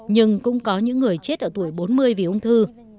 nhưng cũng có những người chết ở tuổi bốn mươi vì ung thư